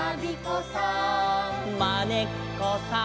「まねっこさん」